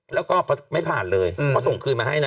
แล้วก็ไม่ผ่านเลยก็ส่งคืนมาให้นะ